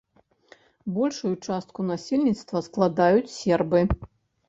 Большую частку насельніцтва складаюць сербы.